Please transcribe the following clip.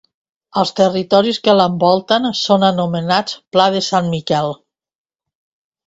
Els territoris que l'envolten són anomenats Pla de Sant Miquel.